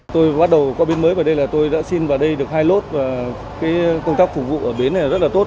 tôi bắt đầu qua bến mới vào đây là tôi đã xin vào đây được hai lốt và công tác phục vụ ở bến này rất là tốt